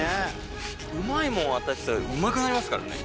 うまいもん与えてたらうまくなりますからね。